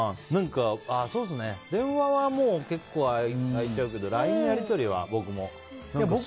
電話はもう結構空いちゃうけどＬＩＮＥのやり取りは僕も。